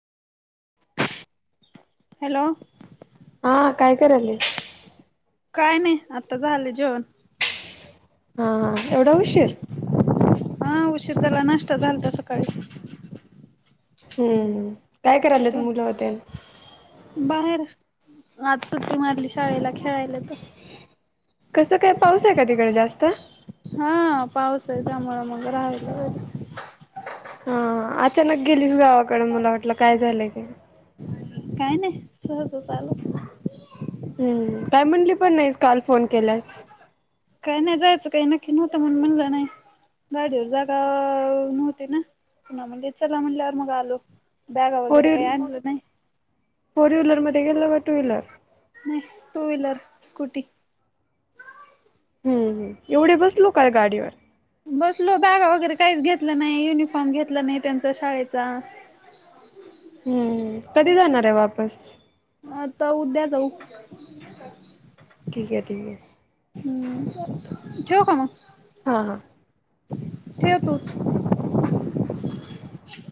hello हा काय करायलय काय नय आता झाले जेवण हा हा एवढा उशीर हा उशीर झाला नाष्ट झालत सकाळी हम्म काय करायलात तू मुलं तेन बाहेर आज सुट्टी मारली शाळेला खेळायला तर कसं काय पाऊस आहे का तिकडे जास्त हा पाऊस य त्या मुरा मग राहायला ह अचानक गेलीस गावाकडे मला वाटलं काय झालंय का काय नाही सहज चालू हम्म काय म्हणली पण नाहीस काल फोन केल्यास काही नाही जायचं काही नक्की नव्हतं म्हण म्हणलं नाही गाडीवर जागा नव्हती ना पु म्हणटले चला म्हणल्यावर मग आलो बॅगा फोर वगैरे काही व्हील आणलं नाही फोर व्हीलर म गेला व टू व्हीलर नाही टू व्हीलर स्कूटी हम्मम एवढे बसलो काय गाडीवर बसलो बॅग वगैरे काहीच घेतलं नाही युनिफॉर्म घेतला नाही त्यांचा शाळेचा हम्म कधी जाणार आहे वापस आता उद्या जाऊ ठीक आहे ठीक आहे हम्म जो काम हा हां ठे तोच [inaudible]